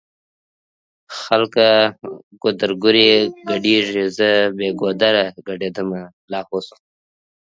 خلکه ګودرګوري ګډيږی زه بې ګودره ګډيدمه لا هو شومه